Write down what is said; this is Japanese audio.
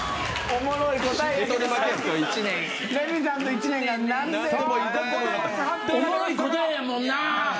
おもろい答えやもんなぁ。